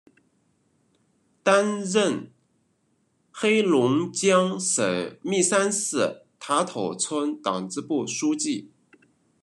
担任黑龙江省密山市塔头村党支部书记。